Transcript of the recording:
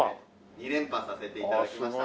２連覇させて頂きました。